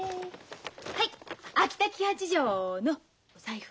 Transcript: はい秋田黄八丈のお財布。